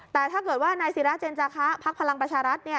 แต่ถ้าเกิดว่านายศิราเจนจาคะพักพลังประชารัฐ